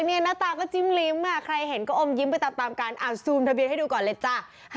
หน้าตาก็จิ้มลิ้มใครเห็นก็อมยิ้มไปตามการซูมทะเบียนให้ดูก่อนเลยจ้ะ